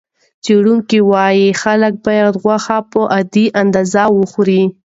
څېړونکي وايي خلک باید غوښه په عادي اندازه وخوري.